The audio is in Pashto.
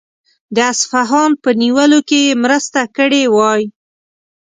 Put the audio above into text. د اصفهان په نیولو کې یې مرسته کړې وای.